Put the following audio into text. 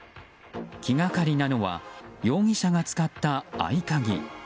気がかりなのは容疑者が使った合鍵。